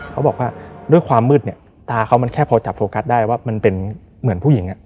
เขาบอกว่าด้วยความมืดเนี่ยตาเขามันแค่พอจับโฟกัสได้ว่ามันเป็นเหมือนผู้หญิง